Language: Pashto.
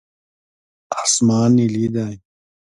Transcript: اسمان نیلي دی.